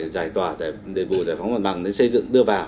giải tỏa đề bù giải phóng hoàn bằng xây dựng đưa vào